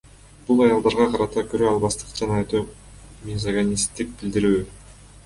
Бул аялдарга карата көрө албастык жана өтө мизогинисттик билдирүү.